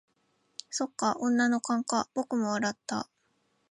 「そっか、女の勘か」僕も笑った。